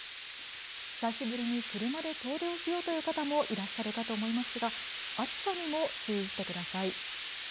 久しぶりに車で遠出をしようという方もいらっしゃるかと思いますが、暑さにも注意してください。